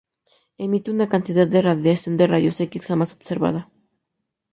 Emite una cantidad de radiación de rayos X jamás observada.